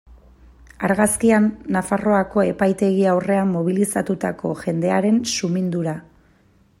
Argazkian, Nafarroako epaitegi aurrean mobilizatutako jendearen sumindura.